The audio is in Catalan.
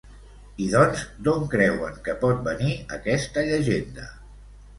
I doncs, d'on creuen que pot venir aquesta llegenda?